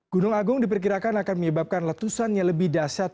gunung agung diperkirakan akan menyebabkan letusan yang lebih dasar